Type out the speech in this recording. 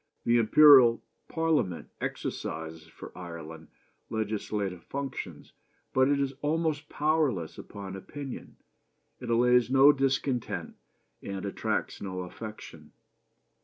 The Imperial Parliament exercises for Ireland legislative functions, but it is almost powerless upon opinion it allays no discontent, and attracts no affection.